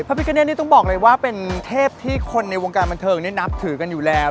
พิกเนธนี่ต้องบอกเลยว่าเป็นเทพที่คนในวงการบันเทิงนี่นับถือกันอยู่แล้ว